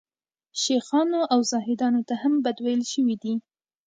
شیخانو او زاهدانو ته هم بد ویل شوي دي.